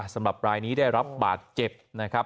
สำหรับรายนี้ได้รับบาดเจ็บนะครับ